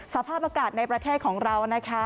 สภาพอากาศในประเทศของเรานะคะ